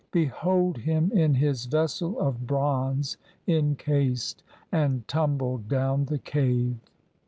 Behold him in his vessel of bronze encased, And tumbled down the cave.